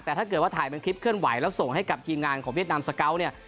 แต่ถ้าเกิดว่าถ่ายเป็นคลิปเคลื่อนไหวแล้วส่งให้กับทีมงานของเวียดนามสเกาะเนี่ย